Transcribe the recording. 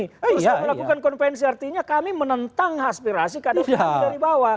terus kalau melakukan konvensi artinya kami menentang aspirasi kader kami dari bawah